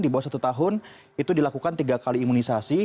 di bawah satu tahun itu dilakukan tiga kali imunisasi